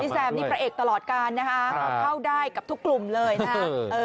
แซมนี่พระเอกตลอดการนะคะเข้าได้กับทุกกลุ่มเลยนะ